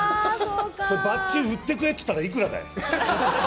バッジ売ってくれって言ったらいくらだよ。